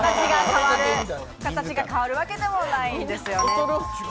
形が変わるわけでもないんですよね。